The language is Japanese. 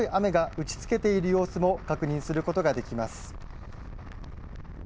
また地面に強い雨が打ちつけている様子も確認することができます。